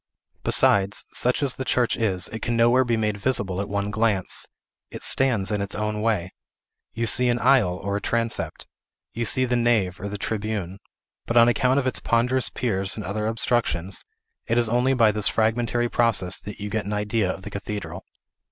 Besides, such as the church is, it can nowhere be made visible at one glance. It stands in its own way. You see an aisle, or a transept; you see the nave, or the tribune; but, on account of its ponderous piers and other obstructions, it is only by this fragmentary process that you get an idea of the cathedral.